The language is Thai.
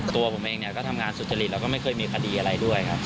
ตัวผมเองเนี่ยก็ทำงานสุจริตแล้วก็ไม่เคยมีคดีอะไรด้วยครับ